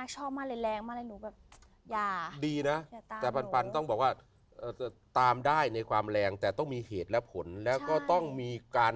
จริงพ่อแม่ทุกคนก็คงไม่อยากเหมือนกัน